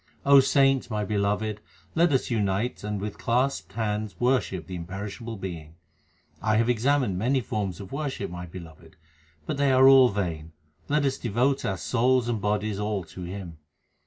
saints, my beloved, let us unite and with clasped hands worship the Imperishable Being. 1 have examined many forms of worship, my beloved ; but they are all vain ; let us devote our souls and bodies all to Him.